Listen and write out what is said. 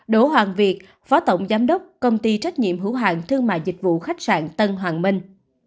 đỗ hoàng việt phó tổng giám đốc công ty trách nhiệm hữu hàng thương mại dịch vụ khách sạn tân hoàng minh